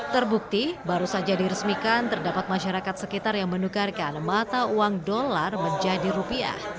terbukti baru saja diresmikan terdapat masyarakat sekitar yang menukarkan mata uang dolar menjadi rupiah